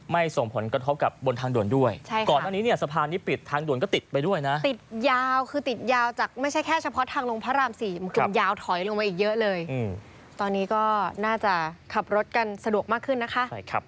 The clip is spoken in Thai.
มันคือยาวถอยลงมาอีกเยอะเลยตอนนี้ก็น่าจะขับรถกันสะดวกมากขึ้นนะคะ